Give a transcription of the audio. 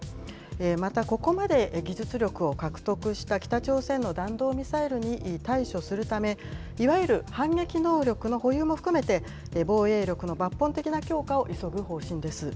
またここまで技術力を獲得した北朝鮮の弾道ミサイルに対処するため、いわゆる反撃能力の保有も含めて、防衛力の抜本的な強化を急ぐ方針です。